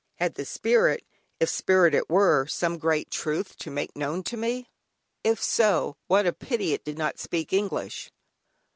Had the spirit, if spirit it were, some great truth to make known to me? if so, what a pity it did not speak English!